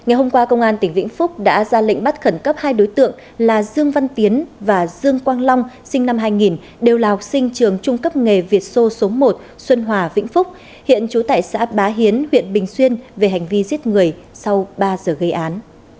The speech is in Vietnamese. ngày hôm qua công an tỉnh vĩnh phúc đã ra lệnh bắt khẩn cấp hai đối tượng là dương văn tiến và dương quang long sinh năm hai nghìn đều là học sinh trường trung cấp nghề việt sô số một xuân hòa vĩnh phúc hiện trú tại xã bá hiến huyện bình xuyên về hành vi giết người sau ba giờ gây án